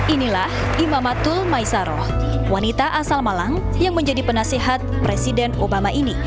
inilah imamatul maisaroh wanita asal malang yang menjadi penasehat presiden obama ini